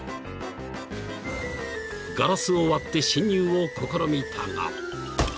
［ガラスを割って侵入を試みたが］